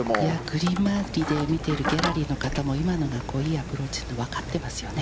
グリーン周りで見ているギャラリーの方も今のがいいアプローチというのは分かっていますよね。